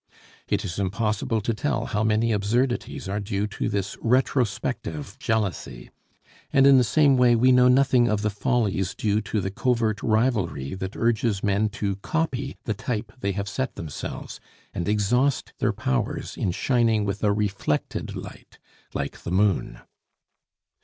It is impossible to tell how many absurdities are due to this retrospective jealousy; and in the same way we know nothing of the follies due to the covert rivalry that urges men to copy the type they have set themselves, and exhaust their powers in shining with a reflected light, like the moon.